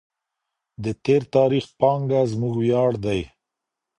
د تېر تاریخ پانګه زموږ ویاړ دی.